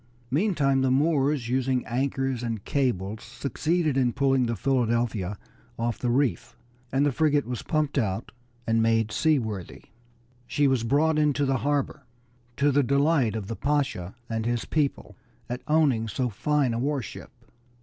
Meantime the Moors, using anchors and cables, succeeded in pulling the Philadelphia off the reef, and the frigate was pumped out and made seaworthy. She was brought into the harbor, to the delight of the Pasha and his people at owning so fine a war ship.